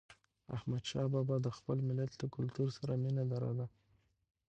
احمدشاه بابا د خپل ملت له کلتور سره مینه لرله.